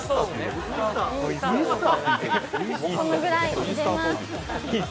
このぐらい入れます。